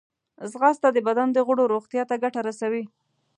ځغاسته د بدن د غړو روغتیا ته ګټه رسوي